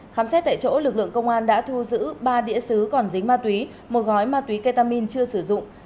khám xét tại chỗ lực lượng công an đã thu giữ ba đĩa xứ còn dính ma túy một gói ma túy ketamin chưa sử dụng